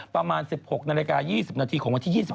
ประมาณ๑๖นาฬิกา๒๐นาทีของวันที่๒๖